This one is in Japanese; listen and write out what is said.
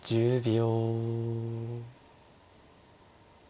１０秒。